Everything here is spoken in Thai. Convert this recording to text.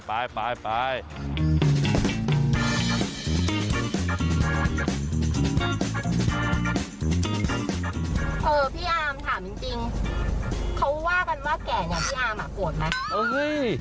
พี่อาร์มถามจริงเขาว่ากันว่าแก่เนี่ยพี่อาร์มอ่ะโกรธไหม